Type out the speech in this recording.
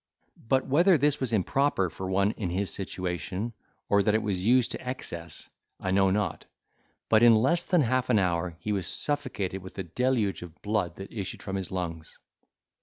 but whether this was improper for one in his situation, or that it was used to excess, I know not, but in less than half an hour he was suffocated with a deluge of blood that issued from his lungs.